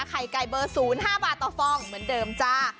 ไข่ไก่เบอร์๐๕บาทต่อฟองเหมือนเดิมจ้า